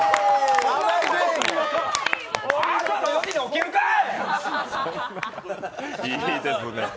朝の４時に起きるかい！